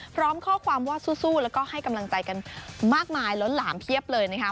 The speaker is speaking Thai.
พร้อมข้อความว่าสู้แล้วก็ให้กำลังใจกันมากมายล้นหลามเพียบเลยนะคะ